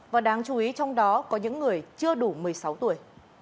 và đáng chú ý trong đó có những người chưa đủ một mươi sáu tuổi